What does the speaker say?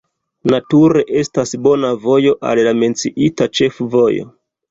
Nature estas bona vojo al la menciita ĉefvojo.